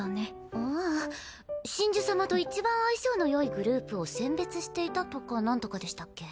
ああ神樹様といちばん相性のよいグループを選別していたとかなんとかでしたっけ。